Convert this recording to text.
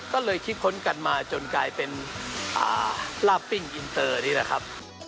ก็เลยคิดค้นกันมาจนกลายเป็นลาบปิ้งอินเตอร์นี่แหละครับ